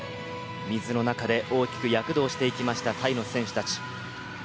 水の中で大きく躍動していきました、タイの選手たち。